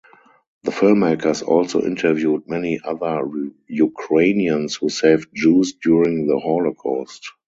The filmmakers also interviewed many other Ukrainians who saved Jews during the Holocaust.